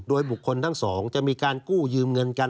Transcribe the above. โดยบุคคลทั้งสองจะมีการกู้ยืมเงินกัน